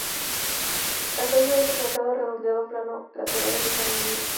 El tallo es segmentado, redondeado o plano, las areolas están hundidas.